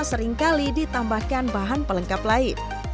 seringkali ditambahkan bahan pelengkap lain